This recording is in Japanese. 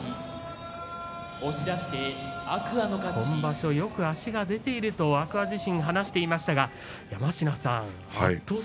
今場所、よく足が出ていると天空海自身話していましたが、山科さん。